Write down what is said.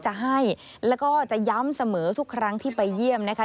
จะให้แล้วก็จะย้ำเสมอทุกครั้งที่ไปเยี่ยมนะคะ